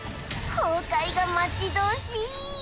公開が待ち遠しい